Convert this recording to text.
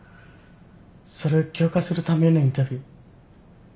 それ許可するためのインタビュー。